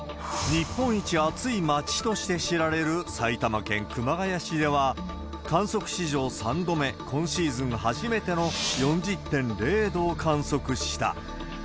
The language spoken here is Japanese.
日本一暑い町として知られる、埼玉県熊谷市では、観測史上３度目、今シーズン初めての４０．０度を観測した。